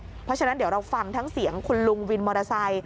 เพราะฉะนั้นเดี๋ยวเราฟังทั้งเสียงคุณลุงวินมอเตอร์ไซค์